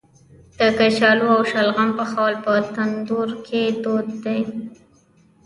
د کچالو او شلغم پخول په تندور کې دود دی.